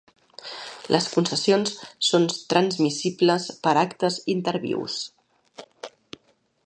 Les concessions són transmissibles per actes intervius.